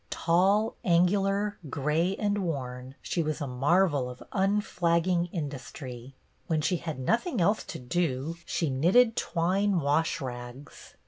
Tall, angular, gray and worn, she was a marvel of unflagging industry. When she had nothing else to do she knitted 26 BETTY BAIRD twine wash rags.